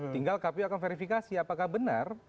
tinggal kpu akan verifikasi apakah benar